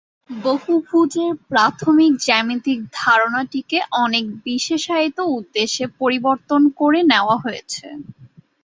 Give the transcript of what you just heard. বহুভুজের প্রাথমিক জ্যামিতিক ধারণাটিকে অনেক বিশেষায়িত উদ্দেশ্যে পরিবর্তন করে নেওয়া হয়েছে।